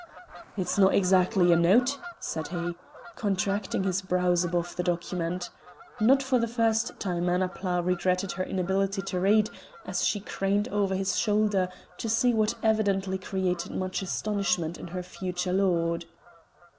"It's no' exactly a note," said he, contracting his brows above the document. Not for the first time Annapla regretted her inability to read, as she craned over his shoulder to see what evidently created much astonishment in her future lord.